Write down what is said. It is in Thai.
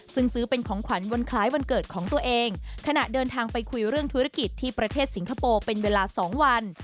ซึ่งซื้อเป็นของขวัญวันคล้ายวันเกิดของตัวเองขณะเดินทางไปคุยเรื่องธุรกิจที่ประเทศสิงคโปร์เป็นเวลา๒วัน